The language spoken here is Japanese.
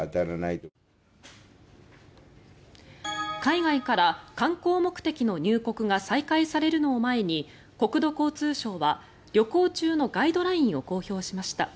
海外から観光目的の入国が再開されるのを前に国土交通省は旅行中のガイドラインを公表しました。